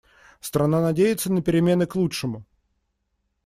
Страна надеется на перемены к лучшему.